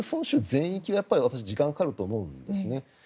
全域はやっぱり私時間がかかると思うんですね。